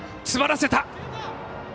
詰まらせた。